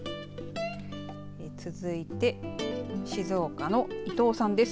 続いて静岡の伊藤さんです。